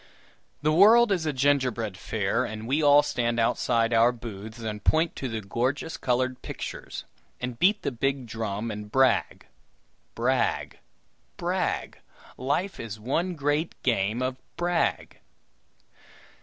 The world is a gingerbread fair, and we all stand outside our booths and point to the gorgeous colored pictures, and beat the big drum and brag. Brag! brag! Life is one great game of brag!